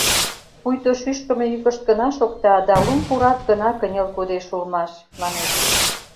Пуйто шӱшкымӧ йӱкышт гына шокта да лум пурак гына кынел кодеш улмаш, манеш...